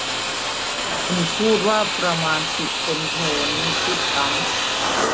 คุณพูดว่าประมาณสิบคนโทนี่พูดซ้ำ